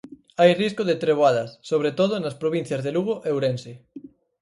Hai risco de treboadas, sobre todo, nas provincias de Lugo e Ourense.